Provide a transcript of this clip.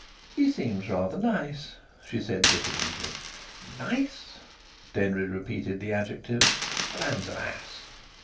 "He seems rather nice," she said diffidently. "Nice!" Denry repeated the adjective. "The man's an ass!"